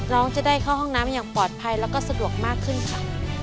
น้องจะได้เข้าห้องน้ำอย่างปลอดภัยแล้วก็สะดวกมากขึ้นค่ะ